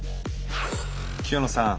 清野さん。